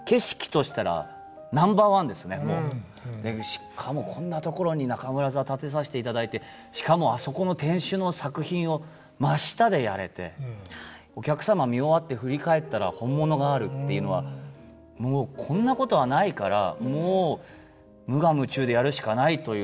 しかもこんなところに中村座建てさせていただいてしかもあそこの天守の作品を真下でやれてお客様見終わって振り返ったら本物があるっていうのはもうこんなことはないからもう無我夢中でやるしかないというのを気持ちで。